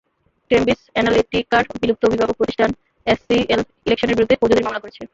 Cambridge অ্যানালিটিকার বিলুপ্ত অভিভাবক প্রতিষ্ঠান এসসিএল ইলেকশনের বিরুদ্ধে ফৌজদারি মামলা করেছে।